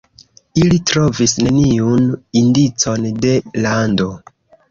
Ili trovis neniun indicon de lando.